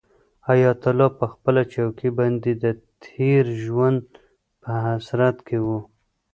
حیات الله په خپله چوکۍ باندې د تېر ژوند په حسرت کې و.